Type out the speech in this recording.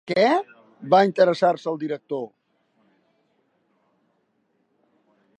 Què? —va interessar-se el director.